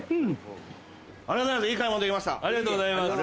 ありがとうございます。